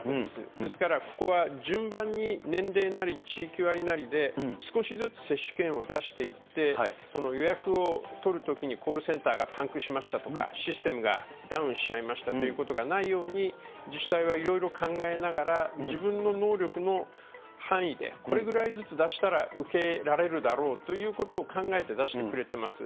ですから、ここは順番に、年齢なり地域割りなりで、少しずつ接種券を出していって、その予約を取るときに、コールセンターがパンクしましたとか、システムがダウンしちゃいましたということがないように、自治体はいろいろ考えながら、自分の能力の範囲で、これぐらいずつ出したら受けられるだろうということを考えて出してくれてます。